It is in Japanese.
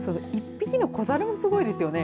１匹の子猿もすごいですよね。